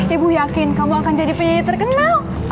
ibu yakin kamu akan jadi pi terkenal